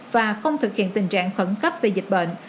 và không thực hiện tình trạng khẩn cấp về dịch bệnh